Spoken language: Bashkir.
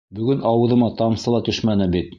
Бөгөн ауыҙыма тамсы ла төшмәне бит.